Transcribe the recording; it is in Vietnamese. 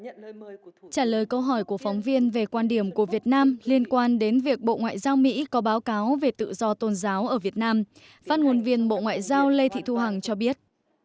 trả lời câu hỏi của phóng viên về quan điểm của việt nam liên quan đến việc bộ ngoại giao mỹ có báo cáo về tự do tôn giáo ở việt nam phát ngôn viên bộ ngoại giao lê thị thu hằng cho biết